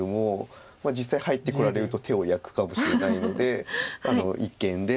実際入ってこられると手を焼くかもしれないので一間で。